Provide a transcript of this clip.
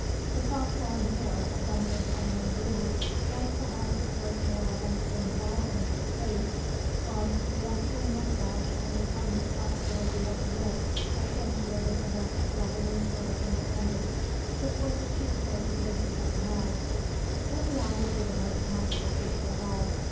The soft brown hair, abundant and unruly, lent perhaps a certain air of untamed wildness to the face, whilst the upturned moustache and the tiny tuft below the upper lip accentuated the look of devil may care independence which was the chief characteristic of the mouth. But the eyes were the most remarkable feature of all.